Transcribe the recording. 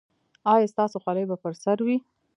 ایا ستاسو خولۍ به پر سر وي؟